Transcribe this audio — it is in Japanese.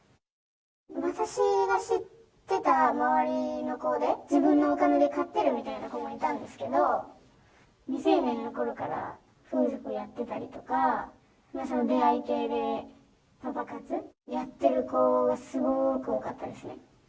私が知ってた周りの子で、自分のお金で買ってるみたいな子もいたんですけど、未成年のころから風俗やってたりとか、出会い系でパパ活やってる子は、すごく多かったですね。